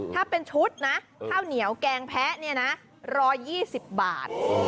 ถ้าเป็นชุดนะข้าวเหนียวแกงแพ้เนี่ยนะ๑๒๐บาท